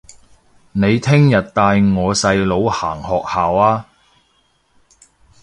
你聽日帶我細佬行學校吖